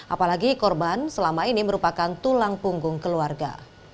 apalagi korban selama ini merupakan tulang punggung keluarga